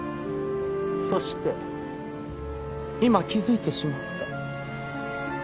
そして今気づいてしまった。